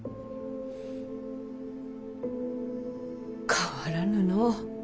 変わらぬの。